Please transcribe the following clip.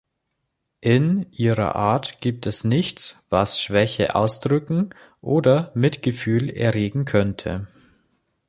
In ihrer Art gibt es nichts, was Schwäche ausdrücken oder Mitgefühl erregen könnte.